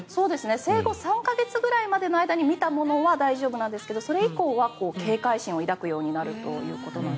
生後３か月ぐらいまでの間に見たものは大丈夫なんですけどそれ以降は警戒心を抱くようになるということです。